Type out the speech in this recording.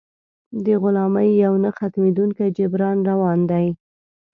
د غلامۍ یو نه ختمېدونکی جبر روان دی.